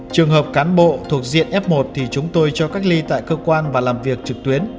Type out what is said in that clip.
trường hợp cán bộ thuộc diện f một thì chúng tôi cho cách ly tại cơ quan và làm việc trực tuyến